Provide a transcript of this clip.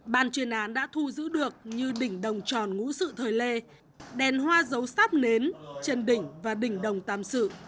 ban chuyên án đã thu giữ được như đỉnh đồng tròn ngũ sự thời lê đèn hoa dấu sáp nến chân đỉnh và đỉnh đồng tàm sự